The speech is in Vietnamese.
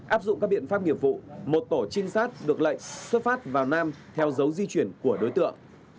áp dụng các biện pháp nghiệp vụ một tổ trinh sát được lệnh xuất phát vào nam theo dấu di chuyển của đối tượng